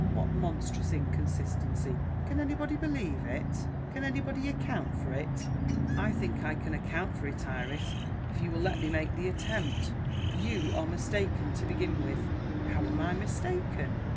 What monstrous inconsistency! Can anybody believe it? Can anybody account for it?" "I think I can account for it, Iris, if you will let me make the attempt. You are mistaken to begin with." "How am I mistaken?"